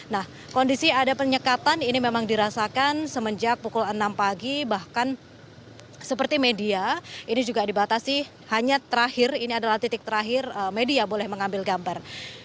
nah kondisi ada penyekatan ini memang dirasakan semenjak pukul enam pagi bahkan seperti media ini juga dibatasi hanya terakhir ini adalah titik terakhir media boleh mengambil gambar